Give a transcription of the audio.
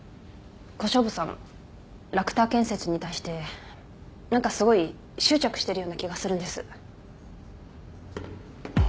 小勝負さんラクター建設に対して何かすごい執着してるような気がするんです。